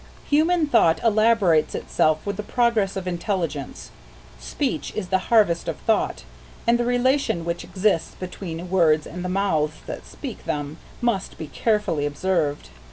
Human thought elaborates itself with the progress of intelligence. Speech is the harvest of thought, and the relation which exists between words and the mouths that speak them must be carefully observed.